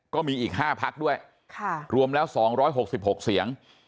ก็มีอีก๕พักด้วยรวมแล้ว๒๖๖เสียง